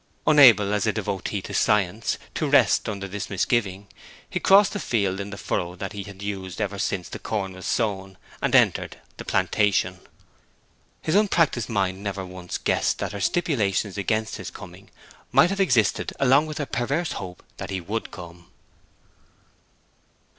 Unable, as a devotee to science, to rest under this misgiving, he crossed the field in the furrow that he had used ever since the corn was sown, and entered the plantation. His unpractised mind never once guessed that her stipulations against his coming might have existed along with a perverse hope that he would come.